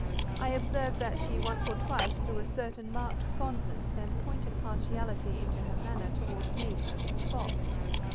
I observed that she once or twice threw a certain marked fondness and pointed partiality into her manner towards me—the fop.